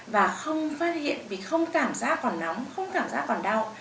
và không phát hiện vì không cảm giác còn nóng không cảm giác còn đau